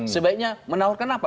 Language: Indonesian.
sebaiknya menawarkan apa